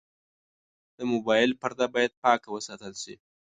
د موبایل پرده باید پاکه وساتل شي.